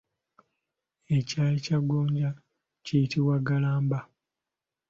Ekyayi kya gonja kiyitibwa ggalamba.